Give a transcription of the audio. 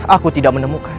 aku tidak menemukan